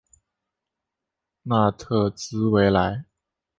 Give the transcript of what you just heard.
纳特兹维莱。